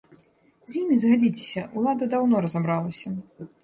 З імі, згадзіцеся, улада даўно разабралася.